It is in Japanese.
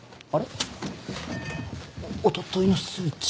おとといの数値。